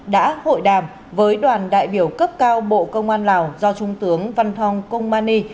đã hội đàm với đoàn đại biểu cấp cao bộ công an lào do trung tướng văn thong kong mani